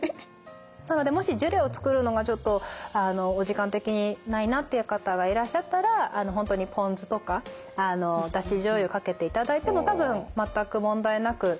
もしジュレを作るのがちょっとお時間的にないなっていう方がいらっしゃったら本当にポン酢とかだしじょうゆかけていただいても多分全く問題なく食べられるんじゃないかなと思います。